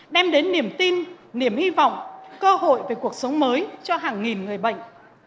đem đến niềm tin niềm hy vọng cơ hội về cuộc sống mới cho hàng nghìn người bệnh